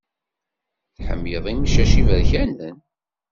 Tḥemmleḍ imcac iberkanen?